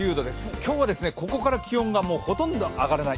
今日はここから気温がほとんど上がらない。